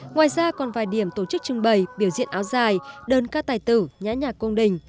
ngoài ra còn vài điểm tổ chức trưng bày biểu diễn áo dài đơn ca tài tử nhã nhạc cung đình